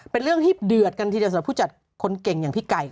เป็นเรื่องที่เดือดกันทีเดียวสำหรับผู้จัดคนเก่งอย่างพี่ไก่